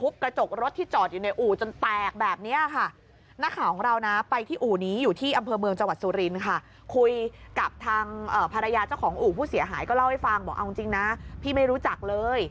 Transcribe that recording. บอกให้ฟังบอกเอาจริงนะพี่ไม่รู้จักเลย